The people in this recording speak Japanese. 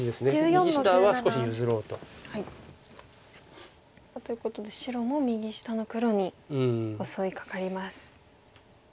右下は少し譲ろうと。ということで白も右下の黒に襲いかかります。